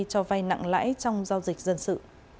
cho vay nặng lãi trong giao dịch dân sự